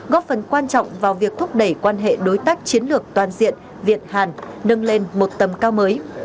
góp phần quan trọng vào việc thúc đẩy quan hệ đối tác chiến lược toàn diện việt hàn nâng lên một tầm cao mới